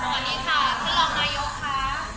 วันนี้เพื่อนคุณค่ะ